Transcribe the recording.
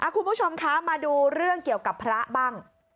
คุณผู้ชมคะมาดูเรื่องเกี่ยวกับพระบ้าง